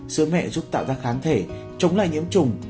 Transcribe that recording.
sứ mẹ giúp tạo ra kháng thể chống lại nhiễm trùng